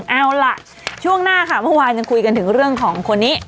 เอาล่ะช่วงหน้าค่ะเมื่อวานยังคุยกันถึงเรื่องของคนนี้